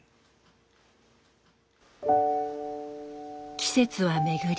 季節は巡り